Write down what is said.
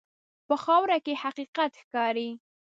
په خاوره کې حقیقت ښکاري.